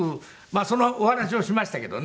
そのお話をしましたけどね。